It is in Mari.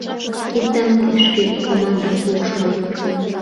Киддам кӱшкӧ! — командым пуыш майор.